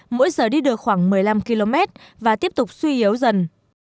mỗi giờ đi được khoảng một mươi năm km và tiếp tục suy yếu dần